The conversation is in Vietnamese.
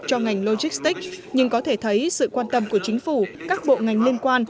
cho ngành logistics nhưng có thể thấy sự quan tâm của chính phủ các bộ ngành liên quan